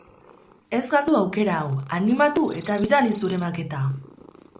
Ez galdu aukera hau, animatu eta bidali zure maketa!